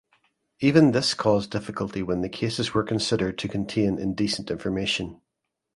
Even this caused difficulty when the cases were considered to contain indecent information.